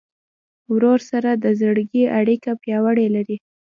ورور سره د زړګي اړیکه پیاوړې لرې.